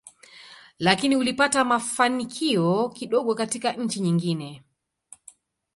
Lakini ulipata mafanikio kidogo katika nchi nyingine.